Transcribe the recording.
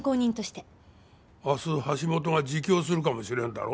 明日橋本が自供するかもしれんだろ？